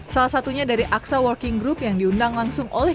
salah satunya dari aksa working group yang diundang langsung oleh